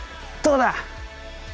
どうだ。